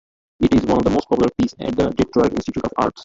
It is one of the most popular pieces at the Detroit Institute of Arts.